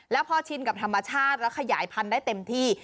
แล้วพอชินกับธรรมชาติแล้วขยายพันธุ์ได้เต็มที่